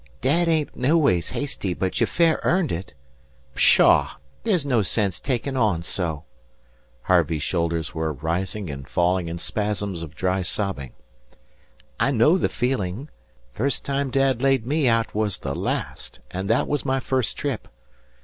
"Dad ain't noways hasty, but you fair earned it. Pshaw! there's no sense takin' on so." Harvey's shoulders were rising and falling in spasms of dry sobbing. "I know the feelin'. First time Dad laid me out was the last and that was my first trip.